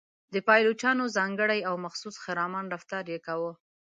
د پایلوچانو ځانګړی او مخصوص خرامان رفتار یې کاوه.